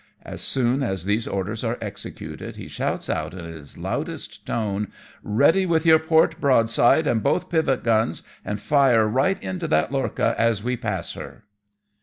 As soon as these orders are executed, he shouts out in his loudest tone^ " Eeady with your port broadside and both pivot guns, and fire right into that lorcha as we pass her."